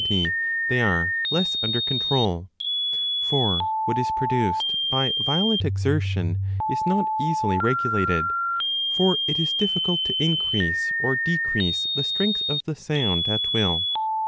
8oa a DE AUDIBILIBUS they are less under control ; for what is produced by violent exertion is not easily regulated, for it is difficult to increase or decrease the strength of the sound at will.